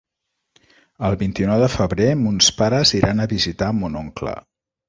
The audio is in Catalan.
El vint-i-nou de febrer mons pares iran a visitar mon oncle.